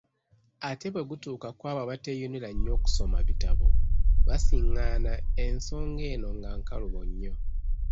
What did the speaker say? Ate bwe gutuuka kwabo abateeyunira nnyo kusoma bitabo, basiŋŋaana ensonga eno nga nkalubo nnyo.